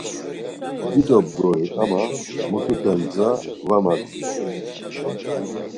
Dido bgori ama mututen gza var madziru.